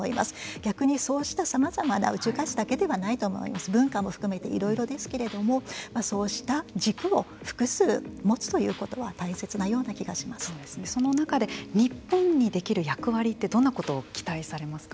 逆にそうしたさまざまな宇宙開発だけではないと思います文化も含めていろいろですけれどもそうした軸を複数持つということはその中で、日本にできる役割ってどんなことを期待されますか。